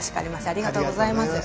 ありがとうございます。